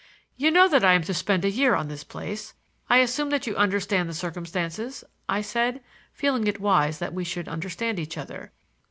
"You know that I'm to spend a year on this place; I assume that you understand the circumstances," I said, feeling it wise that we should understand each other.